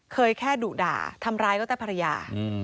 เคยแค่ฎูด่าทำร้ายพระยา